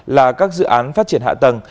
là các dự án phát triển hạ tầng